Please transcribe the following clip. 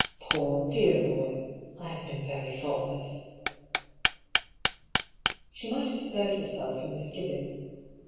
" Poor, dear boy ! I have been very thoughtless." She might have spared herself her misgivings.